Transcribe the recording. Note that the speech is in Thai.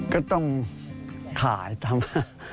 ก็ต้องขายต่ำ